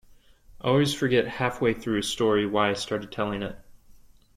I always forget halfway through a story why I started telling it.